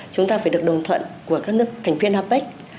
chúng ta phải được đồng thuận của các nước thành viên apec